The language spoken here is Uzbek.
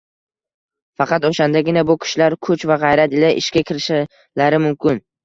Faqat o‘shandagina bu kishilar kuch va g‘ayrat ila ishga kirishishlari mumkin.